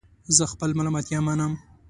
زه خپل ملامتیا منم